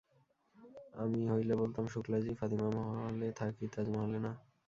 আমি হইলে বলতাম, শুক্লা জী, ফাতিমা মহলে থাকি, তাজ মহলে না।